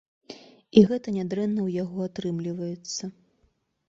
І гэта нядрэнна ў яго атрымліваецца.